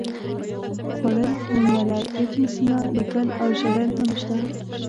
خوړل، نومیالی، ابن سینا، لیکل او ژړل هم شته.